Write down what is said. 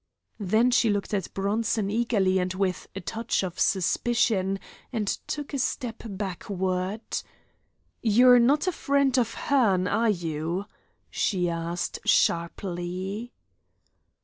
Then she looked at Bronson eagerly and with a touch of suspicion, and took a step backward. "You're no friend of hern, are you?" she asked, sharply.